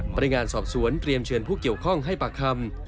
พนักงานสอบสวนเตรียมเชิญผู้เกี่ยวข้องให้ปากคำ